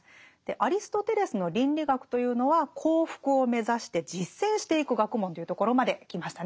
アリストテレスの倫理学というのは幸福を目指して実践していく学問というところまで来ましたね。